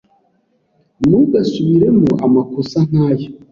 Ntugasubiremo amakosa nkaya.